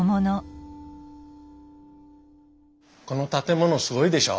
この建物すごいでしょ？